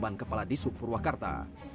jawaban kepala disuk purwakarta